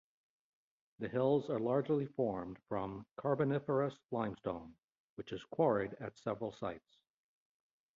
The hills are largely formed from Carboniferous Limestone, which is quarried at several sites.